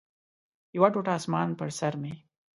یو ټوټه اسمان پر سر مې